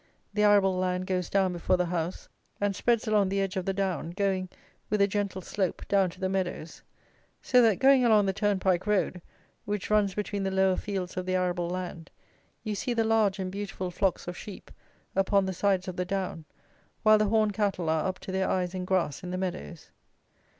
The arable land goes down before the house, and spreads along the edge of the down, going, with a gentle slope, down to the meadows. So that, going along the turnpike road, which runs between the lower fields of the arable land, you see the large and beautiful flocks of sheep upon the sides of the down, while the horn cattle are up to their eyes in grass in the meadows.